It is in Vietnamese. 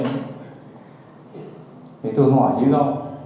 thì tôi hỏi lý do